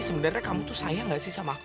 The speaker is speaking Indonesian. sebenarnya kamu tuh sayang banget sama aku